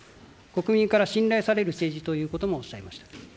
国民から信頼される政治ということもおっしゃいました。